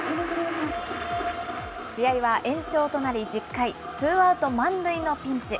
試合は延長となり、１０回、ツーアウト満塁のピンチ。